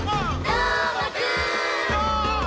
「どーもくん！」